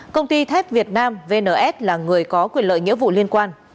công ty thép việt nam vns là người có quyền lợi nghĩa vụ liên quan